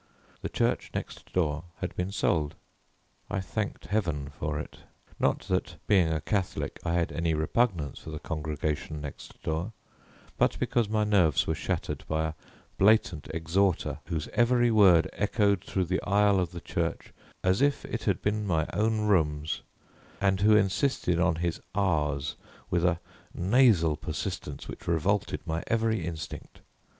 The church next door had been sold. I thanked Heaven for it, not that being a Catholic I had any repugnance for the congregation next door, but because my nerves were shattered by a blatant exhorter, whose every word echoed through the aisle of the church as if it had been my own rooms, and who insisted on his r's with a nasal persistence which revolted my every instinct.